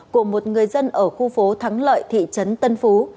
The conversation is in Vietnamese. của một người dân ở khu phố thắng lợi thị trấn tân phú